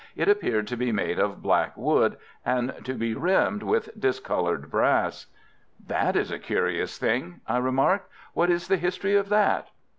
It appeared to be made of black wood, and to be rimmed with discoloured brass. "That is a curious thing," I remarked. "What is the history of that?"